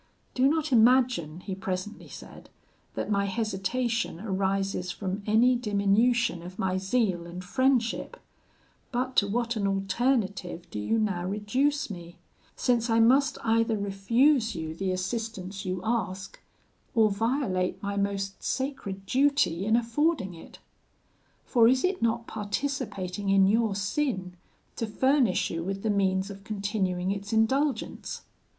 'Do not imagine,' he presently said, 'that my hesitation arises from any diminution of my zeal and friendship; but to what an alternative do you now reduce me, since I must either refuse you the assistance you ask, or violate my most sacred duty in affording it! For is it not participating in your sin to furnish you with the means of continuing its indulgence?'